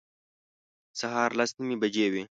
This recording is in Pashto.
سهار لس نیمې بجې وې.